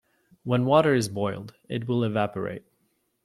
When water is boiled, it will evaporate.